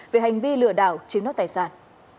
về hành vi lừa đảo chiếm đốt tài sản